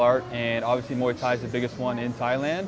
dan tentu saja muay thai adalah yang paling besar di thailand